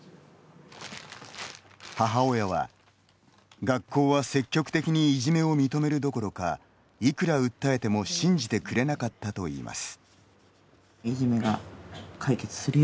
母親は、学校は積極的にいじめを認めるどころかいくら訴えても信じてくれなかったといいます。